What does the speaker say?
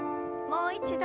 もう一度。